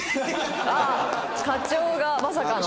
あっ課長がまさかの。